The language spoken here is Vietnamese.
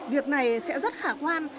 việc này sẽ rất khả quan